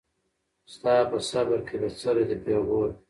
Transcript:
ستا په صبر کي بڅری د پېغور دی